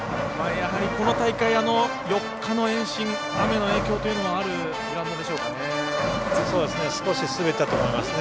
やはり、この大会４日の延伸、雨の影響もあるグラウンドでしょうかね。